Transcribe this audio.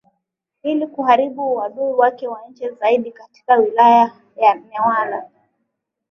ili kuharibu adui wake wa nje zaidi Katika Wilaya ya Newala